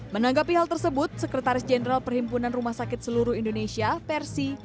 menanggapi hal tersebut sekretaris jenderal perhimpunan rumah sakit seluruh indonesia persi